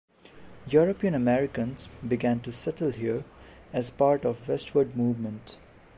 European Americans began to settle here as part of westward movement.